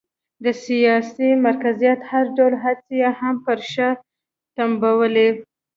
د سیاسي مرکزیت هر ډول هڅې یې هم پر شا تمبولې.